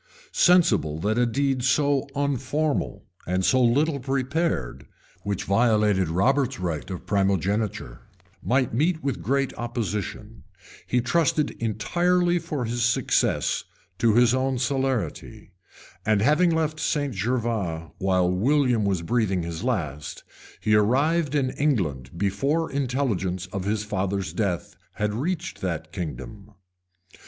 Sensible that a deed so unformal, and so little prepared, which violated Robert's right of promigeniture, might meet with great opposition, he trusted entirely for success to his own celerity; and having left St. Gervas while William was breathing his last, he arrived in England before intelligence of his father's death had reached that kingdom.